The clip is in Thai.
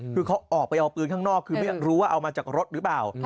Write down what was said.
คือเขาออกไปเอาปืนข้างนอกคือไม่รู้ว่าเอามาจากรถหรือเปล่า